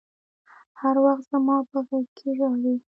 هر وخت زما په غېږ کښې ژاړي.